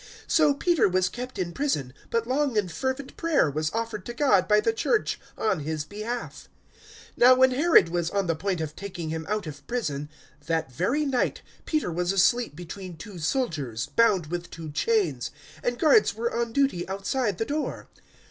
012:005 So Peter was kept in prison; but long and fervent prayer was offered to God by the Church on his behalf. 012:006 Now when Herod was on the point of taking him out of prison, that very night Peter was asleep between two soldiers, bound with two chains, and guards were on duty outside the door.